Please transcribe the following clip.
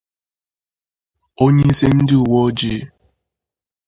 Onyeisi ndị uwe ojii